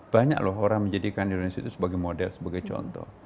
banyak loh orang menjadikan indonesia itu sebagai model sebagai contoh